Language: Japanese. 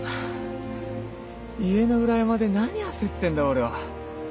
家の裏山で何焦ってんだ俺は。